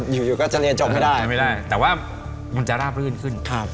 อยู่ก็จะเรียนจบไม่ได้แต่ว่ามันจะราบรื่นขึ้น